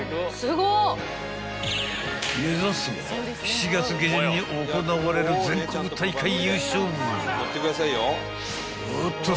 ［目指すは７月下旬に行われる全国大会優勝］